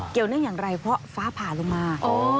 เนื่องอย่างไรเพราะฟ้าผ่าลงมา